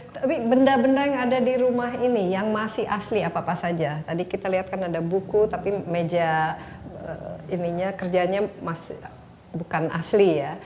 tapi benda benda yang ada di rumah ini yang masih asli apa apa saja tadi kita lihat kan ada buku tapi meja ininya kerjanya masih bukan asli ya